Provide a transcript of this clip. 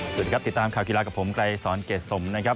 สวัสดีครับติดตามข่าวกีฬากับผมไกรสอนเกรดสมนะครับ